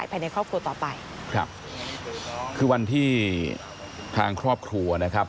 ภายในครอบครัวต่อไปครับคือวันที่ทางครอบครัวนะครับ